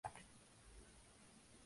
Ojos medianos con la pupila redonda.